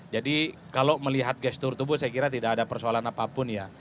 jadi kalau melihat gestur tubuh saya kira tidak ada persoalan apapun ya